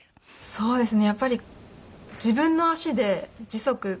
そうですね。